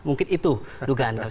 mungkin itu dugaan kami